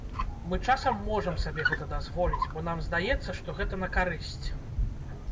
Мы часам можам сабе гэта дазволіць, бо нам здаецца, што гэта на карысць.